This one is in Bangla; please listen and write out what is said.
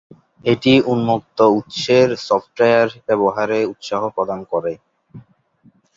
এটি উন্মুক্ত-উৎসের সফটওয়্যার ব্যবহারে উৎসাহ প্রদান করে।